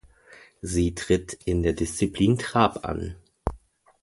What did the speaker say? Sie tritt in der Disziplin Trap an.